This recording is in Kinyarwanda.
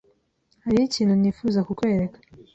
Hariho ikintu nifuza kukwereka.